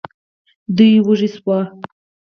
دوی وږي شوو.